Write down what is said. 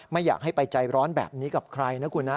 ไม่อยากให้ไปใจร้อนแบบนี้กับใครนะคุณนะ